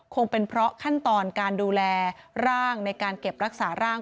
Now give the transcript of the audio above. คงเป็นเพราะขั้นตอนการดูแลร่างในการเก็บรักษาร่าง